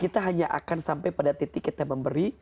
kita hanya akan sampai pada titik kita memberi